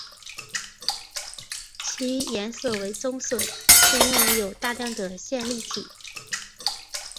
其颜色为棕色是因为有大量的线粒体。